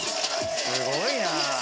すごいな。